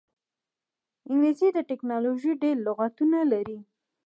انګلیسي د ټیکنالوژۍ ډېری لغتونه لري